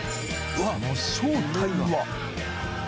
その正体は？